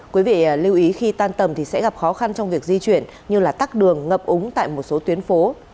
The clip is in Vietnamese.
quý vị lưu ý khi tan tầm thì sẽ gặp khó khăn trong việc di chuyển như tắt đường ngập úng tại một số tuyến phố